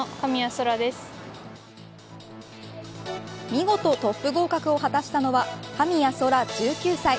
見事トップ合格を果たしたのは神谷そら１９歳。